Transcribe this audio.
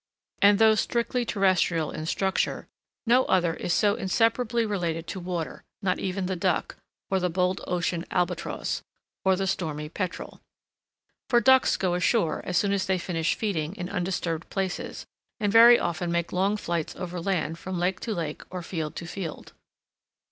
And though strictly terrestrial in structure, no other is so inseparably related to water, not even the duck, or the bold ocean albatross, or the stormy petrel. For ducks go ashore as soon as they finish feeding in undisturbed places, and very often make long flights over land from lake to lake or field to field.